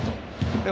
でも